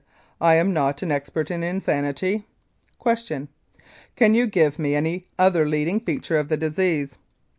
I am not an expert in insanity. Q. Can you give me any other leading feature of the disease?